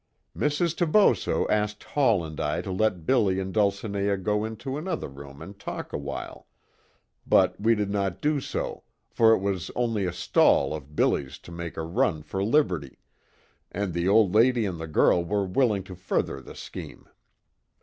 "Mrs. Toboso asked Hall and I to let 'Billy' and Dulcinea go into another room and talk awhile, but we did not do so, for it was only a stall of 'Billy's' to make a run for liberty, and the old lady and the girl were willing to further the scheme.